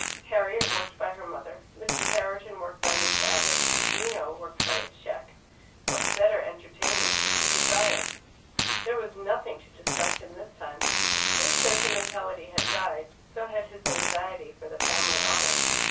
Harriet, worked by her mother; Mrs. Herriton, worked by Miss Abbott; Gino, worked by a cheque what better entertainment could he desire? There was nothing to distract him this time; his sentimentality had died, so had his anxiety for the family honour.